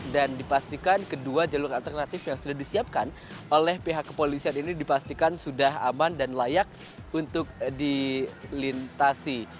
dan dipastikan kedua jalur alternatif yang sudah disiapkan oleh pihak kepolisian ini dipastikan sudah aman dan layak untuk dilintasi